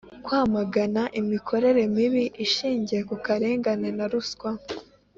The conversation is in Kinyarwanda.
kwamagana imikorere mibi ishingiye ku karengane na ruswa.